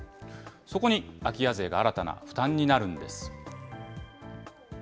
そこに、空き家税が新たな負担になるんです。